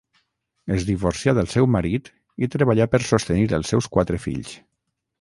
Es divorcià del seu marit i treballà per sostenir els seus quatre fills.